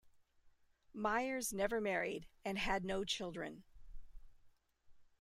Myers never married, and had no children.